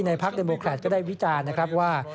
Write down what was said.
ในภาคเดมกรัฐก็ได้วิจารณ์นะครับว่า